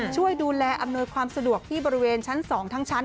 ช่วยดูแลอำนวยความสะดวกที่บริเวณชั้น๒ทั้งชั้น